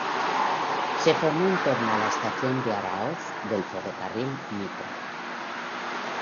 Se formó en torno a la estación Aráoz del Ferrocarril Mitre.